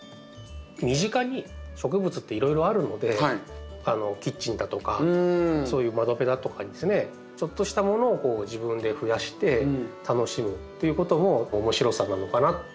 身近に植物っていろいろあるのでキッチンだとかそういう窓辺だとかにですねちょっとしたものを自分で増やして楽しむっていうことも面白さなのかなと思うんですよね。